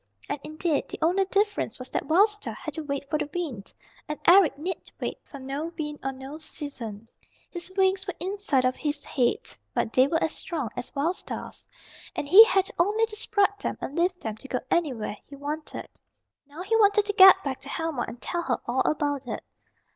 And indeed, the only difference was that Wild Star had to wait for the wind, and Eric need wait for no wind or no season. His wings were inside of his head, but they were as strong as Wild Star's. And he had only to spread them and lift them to go anywhere he wanted. Now he wanted to get back to Helma and tell her all about it.